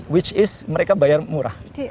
yang mana mereka bayar murah